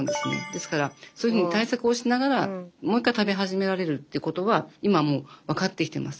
ですからそういうふうに対策をしながらもう一回食べ始められるっていうことは今もう分かってきてます。